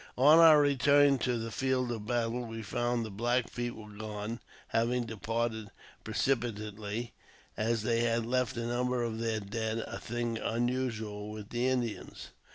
On our return to the field of battle we found the Black Feet were gone, having departed precipitately, as they had left a number of their dead, a thing unusual with the Indians.